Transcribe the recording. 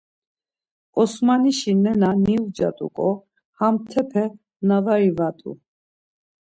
Osmanişi nena niucat̆uǩo hamtepe na var ivat̆u.